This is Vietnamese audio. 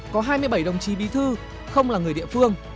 có hai mươi bảy đồng chí bí thư không là người địa phương